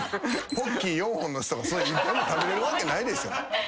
ポッキー４本の人が食べれるわけないでしょ。